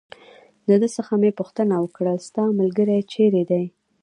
د ده څخه مې پوښتنه وکړل: ستا ملګری چېرې دی؟